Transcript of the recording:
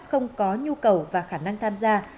không có nhu cầu và khả năng tham gia